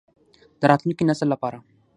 د راتلونکي نسل لپاره.